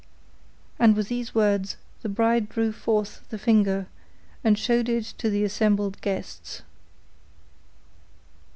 And with these words the bride drew forth the finger and shewed it to the assembled guests.